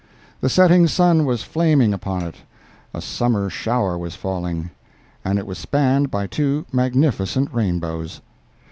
The setting sun was flaming upon it, a Summer shower was falling, and it was spanned by two magnificent rainbows.